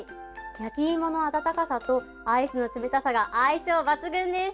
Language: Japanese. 焼き芋の温かさとアイスの冷たさが相性抜群です。